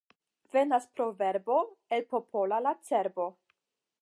Venas proverbo el popola la cerbo.